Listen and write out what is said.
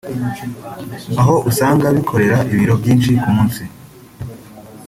aho usanga bikorera ibiro byinshi ku munsi